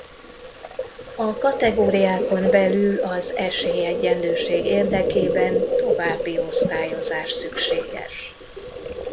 A kategóriákon belül az esélyegyenlőség érdekében további osztályozás szükséges.